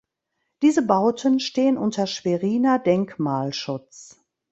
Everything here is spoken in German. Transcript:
Diese Bauten stehen unter Schweriner Denkmalschutz.